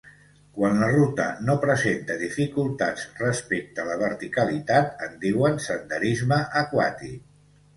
Quan la ruta no presenta dificultats respecte a la verticalitat en diuen senderisme aquàtic.